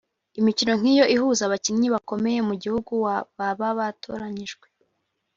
Imikino nk’iyo ihuza abakinnyi bakomeye mu gihugu baba batoranyijwe